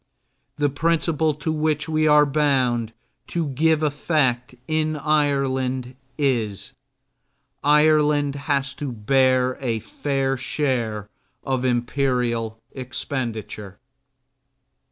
The principle to which we are bound to give effect in Ireland is: Ireland has to bear a fair share of imperial expenditure.